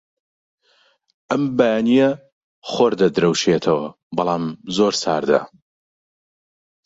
ئەم بەیانییە خۆر دەدرەوشێتەوە، بەڵام زۆر ساردە.